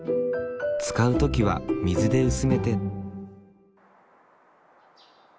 使う時は水で薄めて。